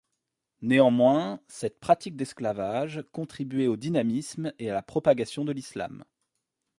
Néanmoins, cette pratique d'esclavage contribuait au dynamisme et à la propagation de l'islam.